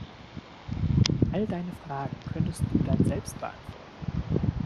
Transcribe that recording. All deine Fragen könntest du dann selbst beantworten.